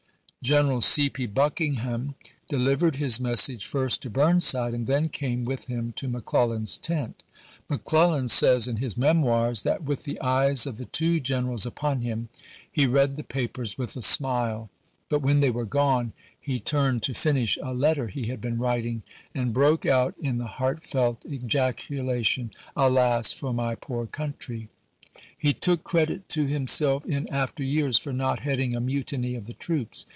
General C. P. Buckingham de p. 545.' livered his message first to Burnside and then came with him to McClellan's tent. McClellan says in his memoirs that with the eyes of the two generals upon him he "read the papers with a smile" — but when they were gone, he turned to finish a letter ." McClel he had been writing, and broke out in the heartfelt lan's own ., ejaculation, "Alas for my poor country." He took p eeo. credit to himself in after years for not heading a mutiny of the troops.